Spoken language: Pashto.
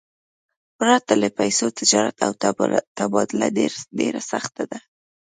پرته له پیسو، تجارت او تبادله ډېره سخته ده.